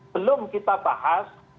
belum kita bahas